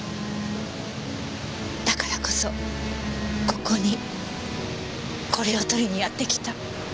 だからこそここにこれを取りにやってきた。